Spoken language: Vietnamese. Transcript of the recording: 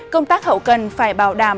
công tác hậu cần phải bảo đảm